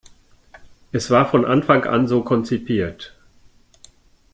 Es war von Anfang an so konzipiert.